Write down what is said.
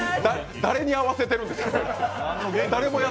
誰に合わせてるんですか！